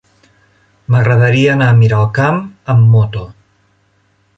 M'agradaria anar a Miralcamp amb moto.